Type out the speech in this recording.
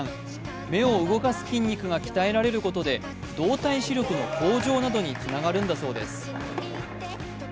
目を動かす筋肉が鍛えられることで動体視力の向上などにつながるんだそうです。